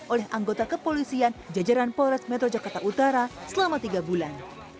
oleh anggota kepolisian jajaran polres metro jakarta utara selama tiga bulan